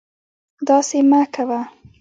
داسې مکوه